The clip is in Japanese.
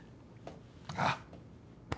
ああ